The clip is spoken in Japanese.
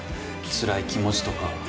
つらい気持ちとか。